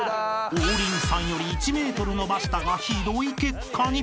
［王林さんより１ｍ伸ばしたがひどい結果に］